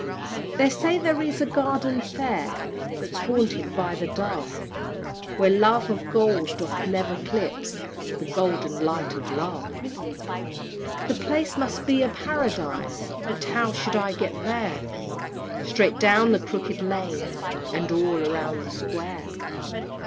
They say there is a Garden fair, That's haunted by the dove, Where love of gold doth ne'er eclipse The golden light of love The place must be a Paradise, But how shall I get there? "Straight down the Crooked Lane, And all round the Square."